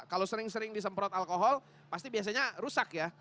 kalau sering sering disemprot alkohol pasti biasanya rusak ya